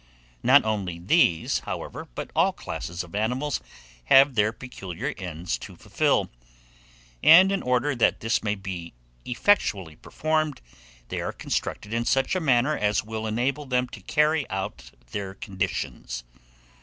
Not only these, however, but all classes of animals, have their peculiar ends to fulfil; and, in order that this may be effectually performed, they are constructed in such a manner as will enable them to carry out their conditions.